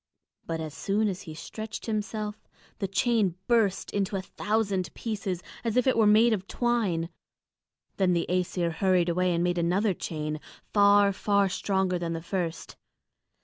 But as soon as he stretched himself, the chain burst into a thousand pieces, as if it were made of twine. Then the Æsir hurried away and made another chain, far, far stronger than the first.